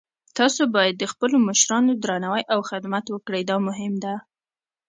تاسو باید د خپلو مشرانو درناوی او خدمت وکړئ، دا مهم ده